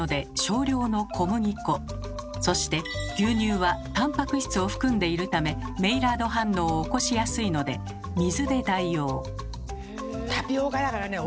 そして牛乳はタンパク質を含んでいるためメイラード反応を起こしやすいので水で代用。